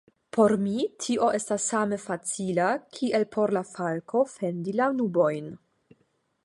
Por mi tio estas same facila kiel por la falko fendi la nubojn.